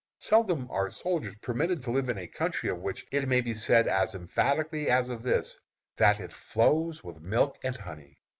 Seldom are soldiers permitted to live in a country of which it may be said as emphatically as of this, that it "flows with milk and honey."